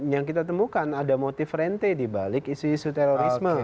yang kita temukan ada motif rente dibalik isu isu terorisme